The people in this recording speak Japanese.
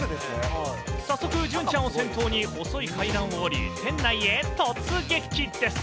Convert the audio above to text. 早速、隼ちゃんを先頭に細い階段を下り、店内へ突撃です。